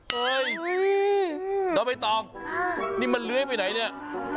เฮ้ยต่อไปต่อนี่มันเล้ยไปไหนเนี่ย